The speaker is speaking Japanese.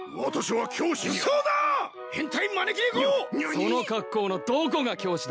その格好のどこが教師だ？